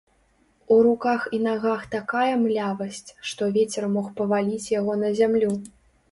У руках і нагах такая млявасць, што вецер мог паваліць яго на зямлю.